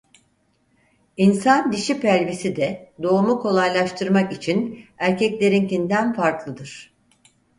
İnsan dişi pelvisi de doğumu kolaylaştırmak için erkeklerinkinden farklıdır.